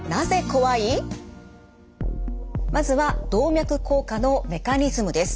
まずは動脈硬化のメカニズムです。